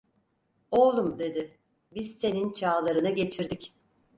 "Oğlum" dedi, "biz senin çağlarını geçirdik."